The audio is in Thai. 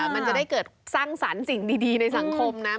มันจะได้เกิดสร้างสรรค์สิ่งดีในสังคมนะ